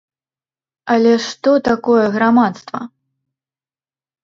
Але што такое грамадства?